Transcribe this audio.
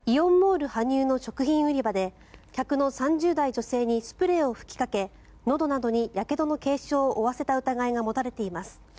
２３日夜、羽生市川崎のイオンモール羽生の食品売り場で客の３０代の女性にスプレーを吹きかけのどなどにやけどの軽傷を負わせた疑いが持たれています。